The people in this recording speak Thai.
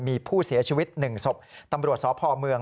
มีผู้เสียชีวิต๑ศพตำรวจสพเมือง